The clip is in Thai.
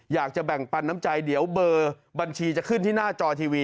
อยากจะแบ่งปันน้ำใจเดี๋ยวเบอร์บัญชีจะขึ้นที่หน้าจอทีวี